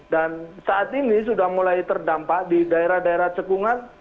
dan saat ini sudah mulai terdampak di daerah daerah cekungan